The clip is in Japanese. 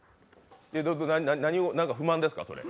何か不満ですか？